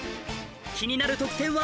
気になる得点は？